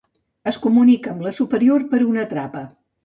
Es comunica amb la superior per una trapa.